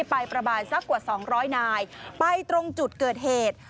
ประมาณสักกว่า๒๐๐นายไปตรงจุดเกิดเหตุ